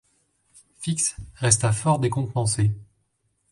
Fix resta fort décontenancé.